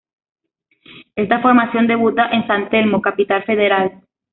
Esta formación debuta en San Telmo, Capital Federal.